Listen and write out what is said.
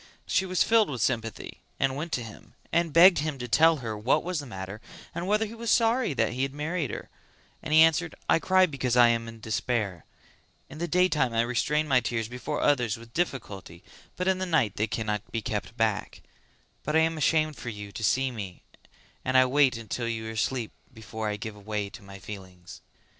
She was filled with sympathy and went to him and begged him to tell her what was the matter and whether he was sorry that he had married her; and he answered "I cry because I am in despair; in the daytime I restrain my tears before others with difficulty but in the night they cannot be kept back; but I am ashamed for you to see me and I wait till you are asleep before I give way to my feelings."